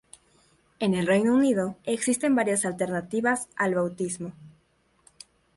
En el Reino Unido existen varias alternativas al bautismo.